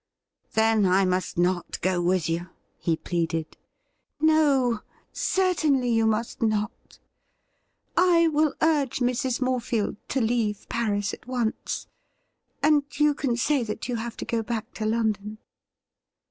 ' Then, I must not go with you ?'' he pleaded. ' No ; certainly you must not. I will urge Mrs. More field to leave Paris at once, and you can say that you have to go back to London.'